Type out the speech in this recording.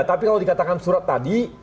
tapi kalau dikatakan surat tadi